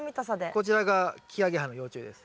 こちらがキアゲハの幼虫です。